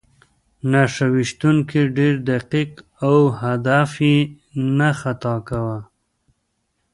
نښه ویشتونکی ډېر دقیق و او هدف یې نه خطا کاوه